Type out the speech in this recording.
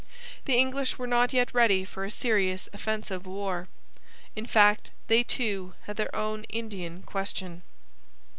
The English were not yet ready for a serious offensive war. In fact they, too, had their own Indian question.